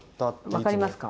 分かりますか？